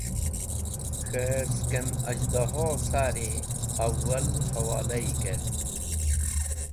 K̃he skem az̃hadho-e sari awwal hawolayi kert.